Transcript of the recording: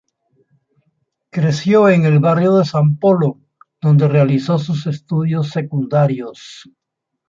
Creció en el barrio de San Polo, donde realizó sus estudios secundarios.